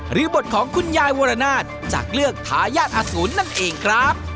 หรือบทของคุณยายวรนาศจากเลือกทายาทอสูรนั่นเองครับ